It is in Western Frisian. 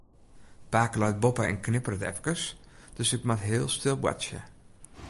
Pake leit boppe en knipperet efkes, dus ik moat heel stil boartsje.